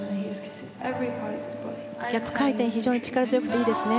逆回転非常に力強くていいですね。